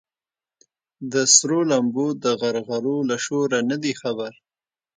د سرو لمبو د غرغرو له شوره نه دي خبر